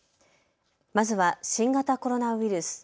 まずは新型コロナウイルス。